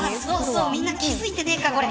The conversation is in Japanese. みんな気付いてないか、これ。